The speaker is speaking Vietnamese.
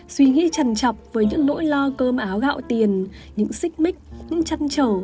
suy nghĩ trần trọc với những nỗi lo cơm áo gạo tiền những xích mít những chăn trở